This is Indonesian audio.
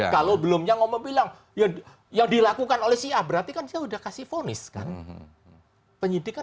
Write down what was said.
kalau belumnya ngomong bilang ya dilakukan oleh siap berarti kan sudah kasih ponis kan penyidikan